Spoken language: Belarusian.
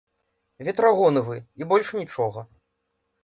Ветрагоны вы, і больш нічога.